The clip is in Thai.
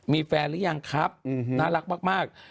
มีแฟนหรือยังครับน่ารักมาก